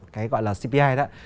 cái gọi là cpi đó